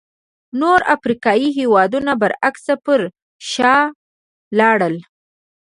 نور افریقایي هېوادونه برعکس پر شا لاړل.